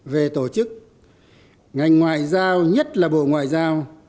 về tổ chức ngành ngoại giao nhất là bộ ngoại giao